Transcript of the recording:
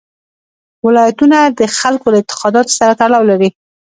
ولایتونه د خلکو له اعتقاداتو سره تړاو لري.